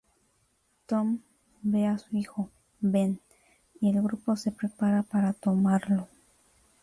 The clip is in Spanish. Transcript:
Tom ve a su hijo, Ben, y el grupo se prepara para tomarlo.